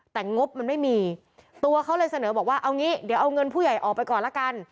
แต่งบมันไม่มีตัวเขาเลยเสนอบอกว่าเอางี้เดี๋ยวเอาเงินผู้ใหญ่ออกไปก่อนละกัน